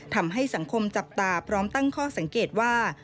ทำให้สังคมจับตาพร้อมตั้งข้อสังเกตว่า